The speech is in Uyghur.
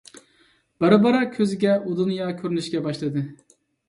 بارا - بارا كۆزىگە ئۇ دۇنيا كۆرۈنۈشكە باشلىدى.